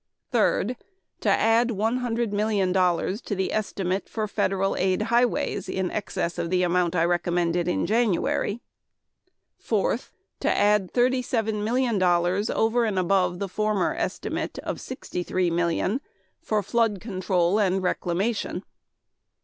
Third, to add one hundred million dollars to the estimate for federal aid highways in excess of the amount I recommended in January. Fourth, to add thirty seven million dollars over and above the former estimate of sixty three million for flood control and reclamation.